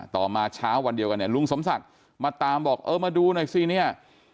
ต่อมาเช้าวันเดียวกันเนี่ยลุงสมศักดิ์มาตามบอกเออมาดูหน่อยสิเนี่ย